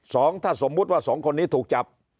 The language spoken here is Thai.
ถ้าสมมุติว่าสองคนนี้ถูกจับ